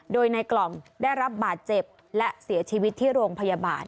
โดยในกล่องได้รับบาดเจ็บและเสียชีวิตที่โรงพยาบาล